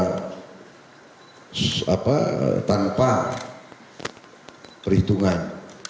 kita akan membuat keahlian dengan bangsa tanpa perhitungan